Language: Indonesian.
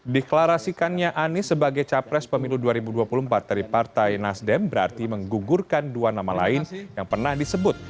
deklarasikannya anies sebagai capres pemilu dua ribu dua puluh empat dari partai nasdem berarti menggugurkan dua nama lain yang pernah disebut